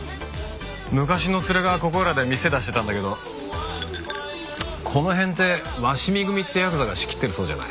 昔のツレがここいらで店出してたんだけどこの辺って鷲見組ってヤクザが仕切ってるそうじゃない。